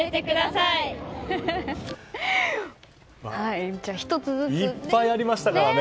いっぱいありましたからね。